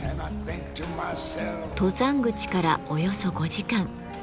登山口からおよそ５時間。